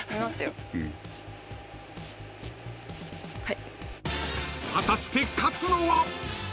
はい。